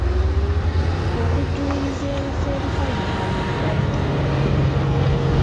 Okujjuliriza ebifo ebikalu mu kalulu kwa ddi?